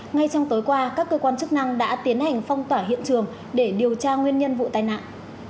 ngay trong tối qua các cơ quan chức năng đã tiến hành phong tỏa hiện trường để điều tra nguyên nhân vụ tai nạn